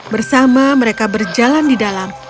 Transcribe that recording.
bersama mereka berjalan di dalam